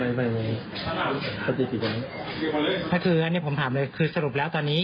แล้วคือผมถามเลยในสรุปแล้วตอนนี้